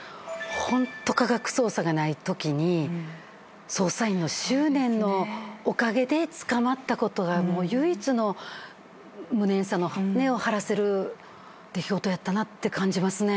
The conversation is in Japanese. ホント科学捜査がないときに捜査員の執念のおかげで捕まったことが唯一の無念さを晴らせる出来事やったなって感じますね。